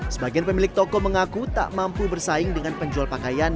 sebagian pemilik toko mengaku tak mampu bersaing dengan penjual pakaian